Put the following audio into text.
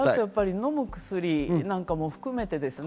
飲む薬も含めてですね。